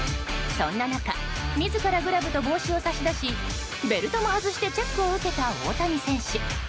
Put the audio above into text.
そんな中自らグラブと帽子を差し出しベルトも外してチェックを受けた大谷選手。